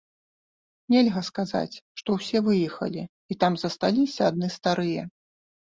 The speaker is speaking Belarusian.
Нельга сказаць, што ўсе выехалі і там засталіся адны старыя.